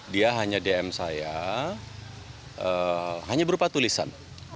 dia hanya dm saya hanya berupa tulisan